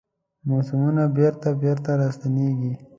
موسمونه بیرته، بیرته راستنیږي